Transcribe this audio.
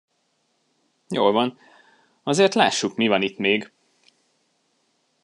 Jól van, azért lássuk, mi van itt még!